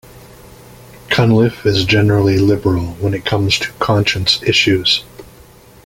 Cunliffe is generally liberal when it comes to conscience issues.